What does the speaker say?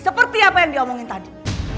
seperti apa yang dia omongin tadi